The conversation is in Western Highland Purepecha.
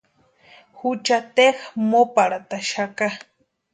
Jucha teja móparhataxaka.